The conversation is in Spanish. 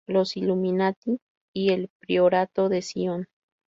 Los Illuminati y el Priorato de Sion.